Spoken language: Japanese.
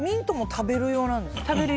食べる用なんです。